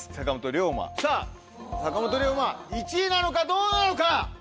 さぁ坂本龍馬１位なのかどうなのか。